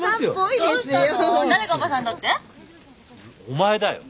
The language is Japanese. お前だよ。